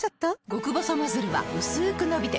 極細ノズルはうすく伸びて